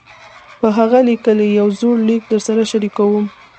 پۀ هغه ليکلے يو زوړ ليک درسره شريکووم -